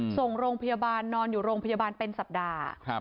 ส่งโรงพยาบาลนอนอยู่โรงพยาบาลเป็นสัปดาห์